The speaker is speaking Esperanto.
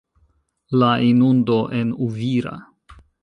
La inundo en Uvira.